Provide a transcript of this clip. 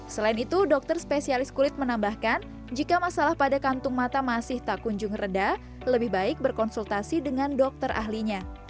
selain itu dokter spesialis kulit menambahkan jika masalah pada kantung mata masih tak kunjung reda lebih baik berkonsultasi dengan dokter ahlinya